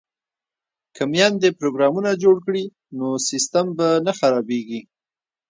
که میندې پروګرامونه جوړ کړي نو سیسټم به نه خرابیږي.